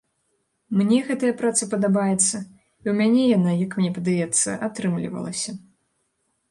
Мне гэтая праца падабаецца і ў мяне яна, як мне падаецца, атрымлівалася.